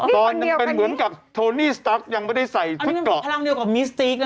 ตอนยังเป็นเหมือนกับยังไม่ได้ใส่อันนี้เป็นพลังเดียวกับนะคะ